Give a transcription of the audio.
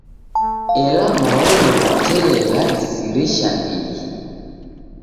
Ela maonyo gha tee ghadisirisha ndighi.